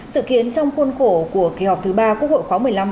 sự kiến trong khuôn khổ của kỳ họp thứ ba quốc hội khóa một mươi năm đang diễn ra